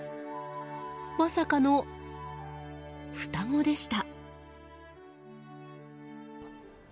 まさかの双子でした。